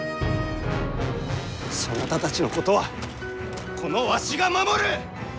そなたたちのことは、このわしが守る！